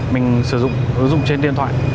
mình sử dụng ứng dụng trên điện thoại